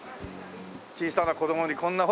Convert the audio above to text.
小さな子供にこんなほら。